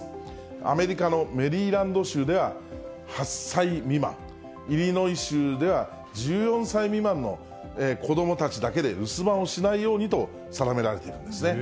アメリカのメリーランド州では、８歳未満、イリノイ州では１４歳未満の子どもたちだけで留守番をしないようにと定められているんですね。